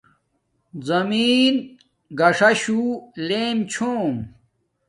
زمین گاݽاشوہ لیم چھوم